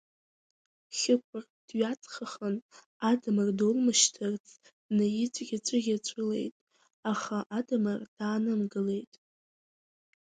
Хьыкәыр дҩаҵхахан, Адамыр доулмышьҭырц днаидӷьаҵәыӷьаҵәылеит, аха Адамыр даанымгылеит.